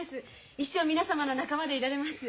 一生皆様の仲間でいられます。